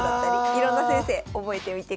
いろんな先生覚えてみてください。